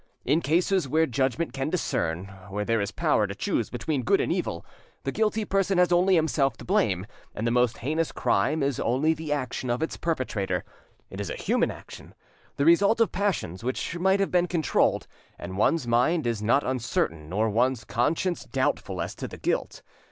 In cases where judgment can discern, where there is power to choose between good and evil, the guilty person has only himself to blame, and the most heinous crime is only the action of its perpetrator. It is a human action, the result of passions which might have been controlled, and one's mind is not uncertain, nor one's conscience doubtful, as to the guilt.